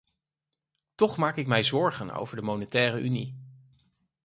Toch maak ik mij zorgen over de monetaire unie.